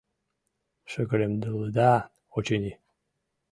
— Шыгыремдылыда, очыни.